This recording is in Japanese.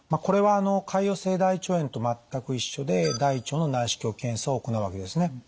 これは潰瘍性大腸炎と全く一緒で大腸の内視鏡検査を行うわけですね。